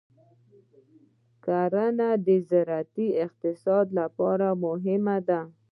کرنه د زراعتي اقتصاد لپاره مهمه ده.